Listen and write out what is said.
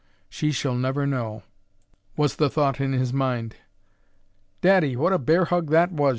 "She shall never know," was the thought in his mind. "Daddy! What a bear hug that was!"